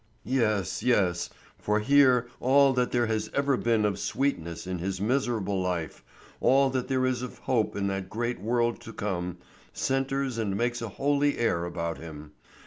Yes, yes; for here all that there has ever been of sweetness in his miserable life, all that there is of hope in that great world to come, centres and makes a holy air about him.